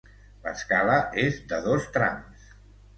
L'escala és de dos trams.